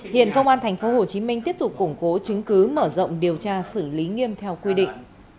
hiện công an tp hcm tiếp tục củng cố chứng cứ mở rộng điều tra xử lý nghiêm theo quy định